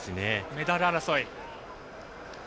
メダル争い。